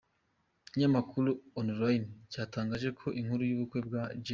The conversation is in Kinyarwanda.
Ikinyamakuru E!Online cyatangaje ko inkuru y’ubukwe bwa J.